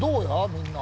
みんな。